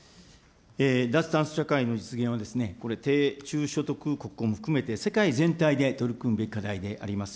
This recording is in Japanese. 脱炭素社会の実現を、低・中所得国も含めて世界全体で取り組むべき課題であります。